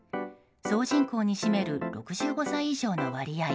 総人口に占める６５歳以上の割合